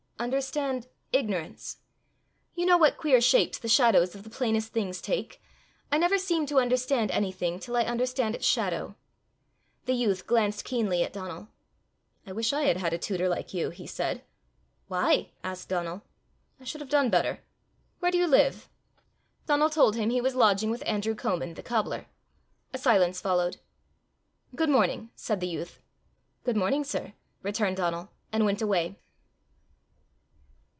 "Understand ignorance?" "You know what queer shapes the shadows of the plainest things take: I never seem to understand any thing till I understand its shadow." The youth glanced keenly at Donal. "I wish I had had a tutor like you!" he said. "Why?" asked Donal. "I should have done better. Where do you live?" Donal told him he was lodging with Andrew Comin, the cobbler. A silence followed. "Good morning!" said the youth. "Good morning, sir!" returned Donal, and went away.